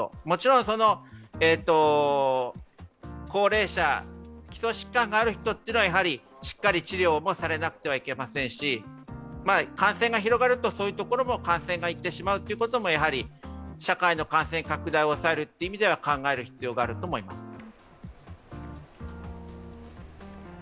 もちろん、高齢者、基礎疾患がある人というのはしっかり治療もされなくてはいけませんし感染が広がるとそういうところも感染がいってしまうということも社会の感染拡大を抑えるという意味では考える必要があると思います。